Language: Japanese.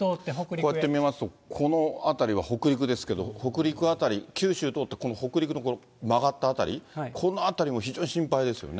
こうやって見ますと、この辺りは北陸ですけど、北陸辺り、九州通ってこの北陸の曲がった辺り、この辺りも非常に心配ですよね。